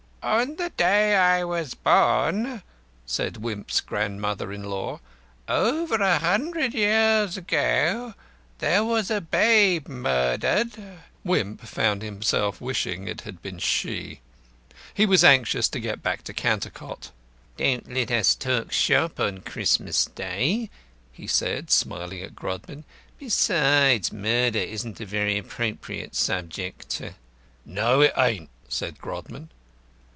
"On the day I was born," said Wimp's grand mother in law, "over a hundred years ago, there was a babe murdered." Wimp found himself wishing it had been she. He was anxious to get back to Cantercot. "Don't let us talk shop on Christmas Day," he said, smiling at Grodman. "Besides, murder isn't a very appropriate subject." "No, it ain't," said Grodman.